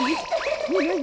なに？